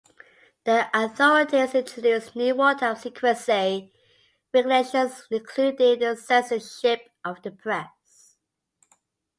The authorities introduced new war-time secrecy regulations, including the censorship of the press.